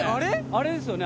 あれですよね？